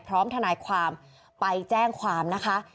ทนายความไปแจ้งความนะคะ